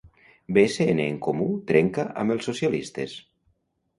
BCNenComú trenca amb els socialistes.